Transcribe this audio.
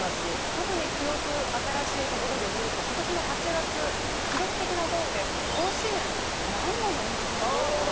特に記憶新しいところでいうと今年の８月記録的な豪雨で甲子園何度も延期されましたよね？